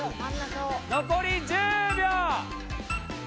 残り１０秒！